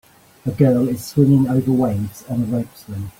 A girl is swinging over waves on a rope swing.